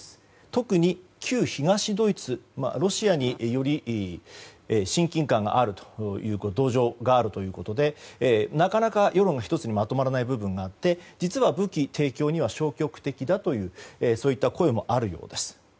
特に旧東ドイツロシアに、より親近感がある土壌があるということでなかなか世論が１つにまとまらない部分があって実は武器提供には消極的だとそういった声もあるようです。